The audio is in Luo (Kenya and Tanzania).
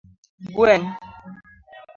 Gweng'